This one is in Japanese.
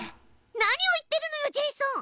何を言ってるのよジェイソン！